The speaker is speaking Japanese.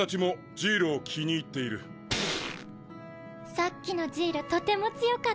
さっきのジイロとても強かった。